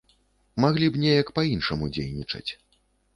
Маглі б неяк па-іншаму дзейнічаць.